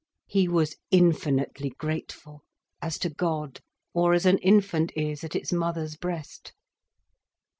He was infinitely grateful, as to God, or as an infant is at its mother's breast.